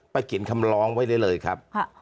ไปเก็บคำร้องไว้ได้เลยครับ